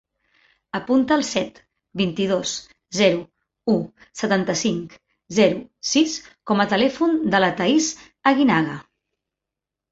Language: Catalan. Apunta el set, vint-i-dos, zero, u, setanta-cinc, zero, sis com a telèfon de la Thaís Aguinaga.